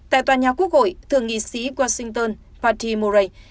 tại tòa nhà quốc hội thượng nghị sĩ washington patty murray